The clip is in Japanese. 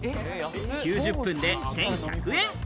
９０分で１１００円。